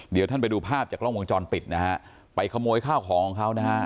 เดี๋ยวท่านไปดูภาพจากกล้องวงจรปิดนะฮะไปขโมยข้าวของของเขานะฮะ